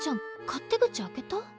勝手口開けた？